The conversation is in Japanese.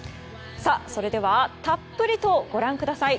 それではたっぷりとご覧ください。